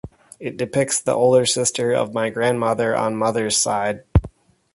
It depicts the older sister of my grandmother on mother's side.